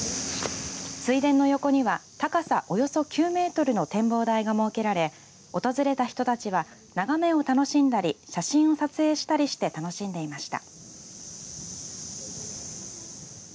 水田の横には高さおよそ９メートルの展望台が設けられ訪れた人たちは眺めを楽しんだり写真を撮影したりして楽しんでいました。